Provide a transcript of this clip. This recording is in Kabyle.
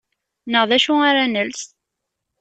Neɣ: D acu ara nels?